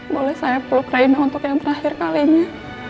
boleh saya pulang ke reina untuk yang terakhir kalinya